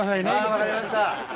分かりました。